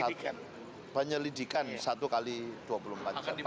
akan diberikan bantuan hukum